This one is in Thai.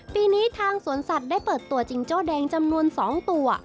ปีนี้ทางสวนสัตว์ได้เปิดตัวจิงโจ้แดงจำนวน๒ตัว